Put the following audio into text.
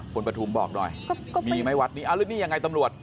คนประธุมบอกหน่อยมีไหมวัดนี้หรือนี่อย่างไรตำรวจ